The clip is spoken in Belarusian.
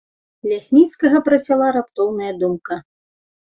Лясніцкага працяла раптоўная думка.